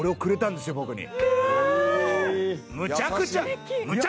むちゃくちゃ。